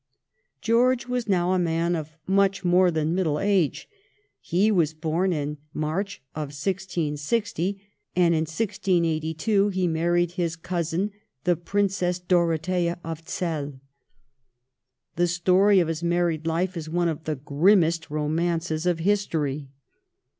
George was now a man of much more than middle age. He was born in March 1660, and in 1682 he married his cousin the Princess Dorothea of Zell. The story of his married life is one of the grimmest romances of history.